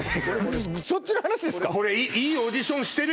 そっちの話ですか？